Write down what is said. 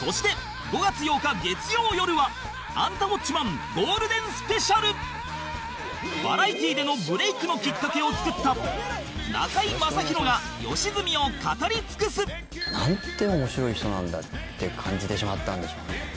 そして５月８日月曜よるは『アンタウォッチマン！』ゴールデンスペシャルバラエティでのブレイクのきっかけを作った中居正広が良純を語り尽くす！って感じてしまったんでしょうね。